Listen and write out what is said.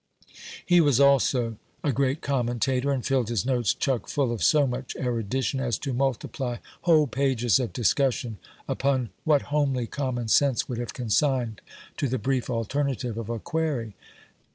He was also a great commentator ; and filled his notes chuck full of so much e udition, as to multiply whole pages of discussion upon what homely com mon sense would have consigned to the brief alternative of a query : 39Q ■ GIL BLAS.